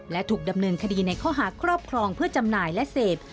และถูกดำเนินคดีในข้อหาครอบครองเพื่อจำหน่ายและเสพ